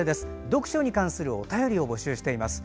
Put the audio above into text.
読書に関するお便りを募集しています。